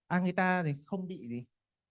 à người ta thì không bị gì